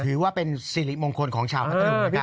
ถือว่าเป็นสิริมงคลของชาวพัทธรุงนะครับ